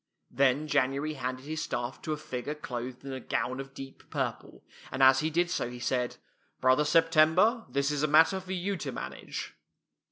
Then J anuary handed his staff to a figure clothed in a gown of deep purple, and as he did so he said, " Brother September, this is a matter for you to manage."